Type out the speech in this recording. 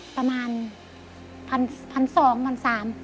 ประมาณพัน๒๓